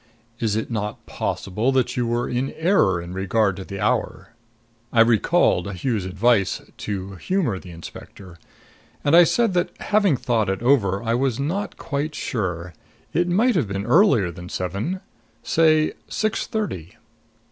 Is it not possible that you were in error in regard to the hour?" I recalled Hughes' advice to humor the inspector; and I said that, having thought it over, I was not quite sure. It might have been earlier than seven say six thirty.